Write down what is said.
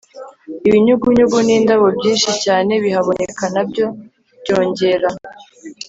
Ibinyugunyugu n indabo byinshi cyane bihaboneka na byo byongera